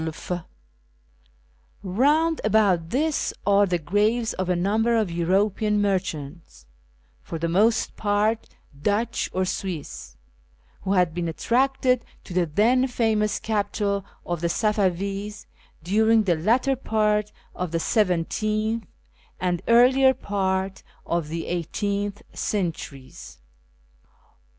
Eound about this are the graves of a number of European merchants, for the most part Dutch or Swiss, who had been attracted to the then famous capital of the Safavis during the latter part of the seventeenth and earlier part of the eighteenth centuries.